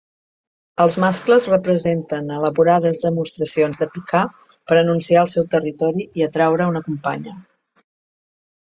Els mascles representen elaborades demostracions de picar per anunciar el seu territori i atraure una companya.